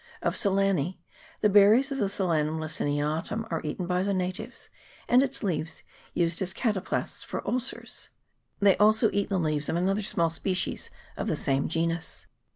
Of Solanece, the berries of the Solatium laciniatum are eaten by the natives, and its leaves used as cataplasms for ulcers. They also eat the leaves of another small species of the same genus.